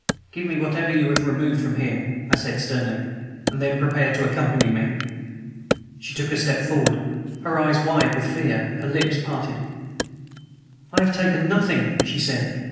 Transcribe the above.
"Give me whatever you have removed from here," I said sternly, "and then prepare to accompany me." She took a step forward, her eyes wide with fear, her lips parted. "I have taken nothing," she said.